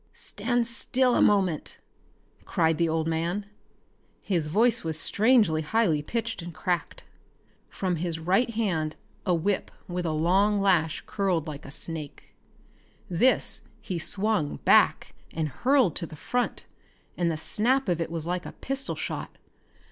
"Stand still a moment!" cried the old man. His voice was strangely high pitched and cracked. From his right hand a whip with a long lash uncurled like a snake. This he swung back and hurled to the front, and the snap of it was like a pistol shot.